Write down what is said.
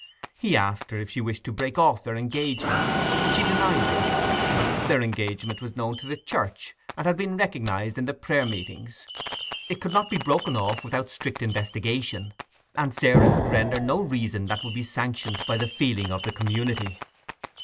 He asked her if she wished to break off their engagement; but she denied this: their engagement was known to the church, and had been recognized in the prayer meetings; it could not be broken off without strict investigation, and Sarah could render no reason that would be sanctioned by the feeling of the community.